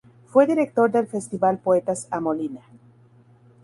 Fue director del festival Poetas a Molina.